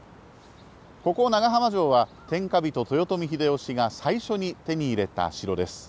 ここ、長浜城は天下人、豊臣秀吉が最初に手に入れた城です。